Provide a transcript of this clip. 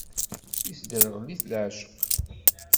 Isderɣel-it leεceq.